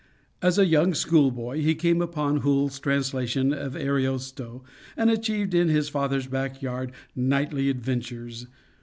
As a young school boy he came upon Hoole's translation of Ariosto, and achieved in his father's back yard knightly adventures.